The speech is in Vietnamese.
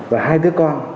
và hai đứa con